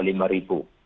di bawah lima